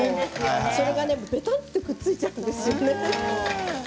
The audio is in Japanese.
べたっとくっついちゃうんですよね。